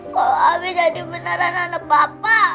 kalau abi jadi beneran anak papa